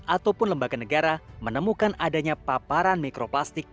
ataupun lembaga negara menemukan adanya paparan mikroplastik